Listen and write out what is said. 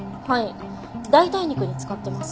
代替肉に使ってます。